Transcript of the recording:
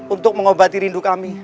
untuk mengobati rindu kami